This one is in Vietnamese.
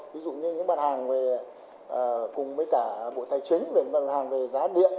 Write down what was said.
ví dụ như những mặt hàng về cùng với cả bộ tài chính về mặt hàng về giá điện